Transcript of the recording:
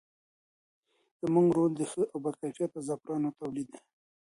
زموږ رول د ښه او باکیفیته زعفرانو تولید دی.